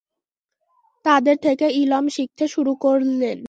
তাদের থেকে ইলম শিখতে শুরু করলেন।